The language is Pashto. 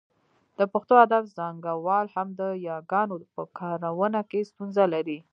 د پښتو ادب څانګوال هم د یاګانو په کارونه کې ستونزه لري